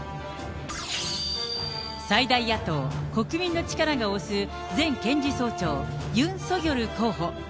最大野党・国民の力が推す前検事総長、ユン・ソギョル候補。